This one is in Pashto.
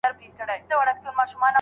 نظر باید واورېدل سي.